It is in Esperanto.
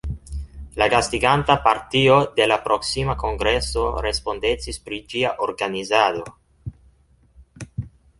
La gastiganta partio de la proksima kongreso respondecis pri ĝia organizado.